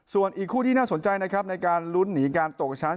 ส่วนอีกคู่ที่น่าสนใจนะครับในการลุ้นหนีการตกชั้น